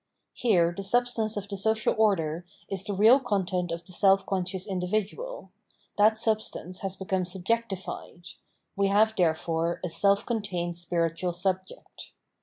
Here the substance of the social order is the real content of the self conscious individual : that substance has become subjectified ; we have therefore a self contained spiritual subject.